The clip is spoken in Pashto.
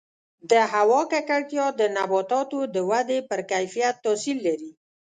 د هوا ککړتیا د نباتاتو د ودې پر کیفیت تاثیر لري.